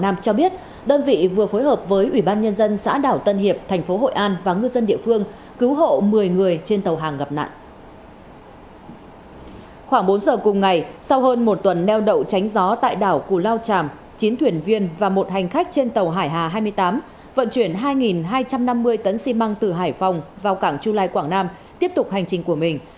một tuần neo đậu tránh gió tại đảo cù lao tràm chín thuyền viên và một hành khách trên tàu hải hà hai mươi tám vận chuyển hai hai trăm năm mươi tấn xi măng từ hải phòng vào cảng chu lai quảng nam tiếp tục hành trình của mình